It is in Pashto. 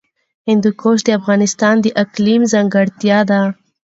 هندوکش د افغانستان د اقلیم ځانګړتیا ده.